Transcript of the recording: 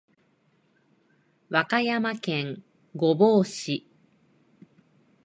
和歌山県御坊市